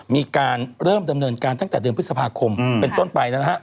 มีการเริ่มดำเนินการตั้งแต่เดือนพฤษภาคมเป็นต้นไปนะฮะ